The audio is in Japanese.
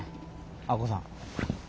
明子さん。